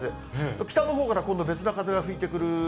北のほうから今度、別の風が吹いてくるー。